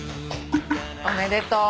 おめでとう。